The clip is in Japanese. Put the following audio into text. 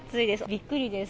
びっくりです。